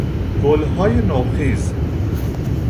گلهای نوخیز